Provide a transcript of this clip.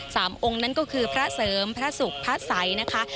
สามองค์นั้นก็คือพระเสริมพระศุกร์พระสัยนะคะ